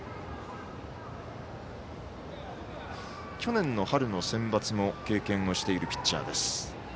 去年の春のセンバツも経験しているピッチャーです。